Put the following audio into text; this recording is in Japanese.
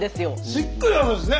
しっかりあるんですね